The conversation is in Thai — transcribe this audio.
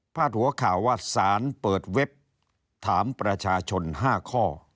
หัวข่าวว่าสารเปิดเว็บถามประชาชน๕ข้อ